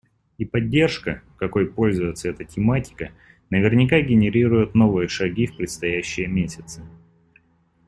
И поддержка, какой пользуется эта тематика, наверняка генерирует новые шаги в предстоящие месяцы.